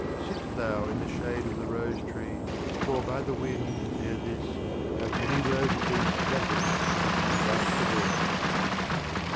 Sit thou in the Shade of the Rose Tree, for by the Wind, ere this, Have many Roses been scattered to become Dust of Earth.